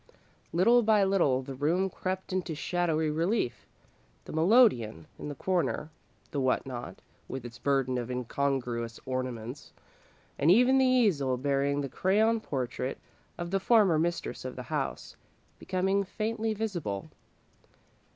Little by little the room crept into shadowy relief the melodeon in the corner, the what not, with its burden of incongruous ornaments, and even the easel bearing the crayon portrait of the former mistress of the house, becoming faintly visible.